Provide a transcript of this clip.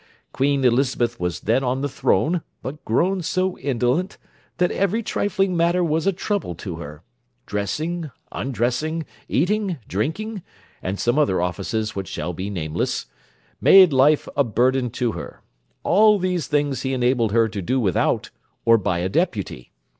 Queen Elizabeth was then on the throne, but grown so indolent, that every trifling matter was a trouble to her; dressing, undressing, eating, drinking, and some other offices which shall be nameless, made life a burden to her; all these things he enabled her to do without, or by a deputy!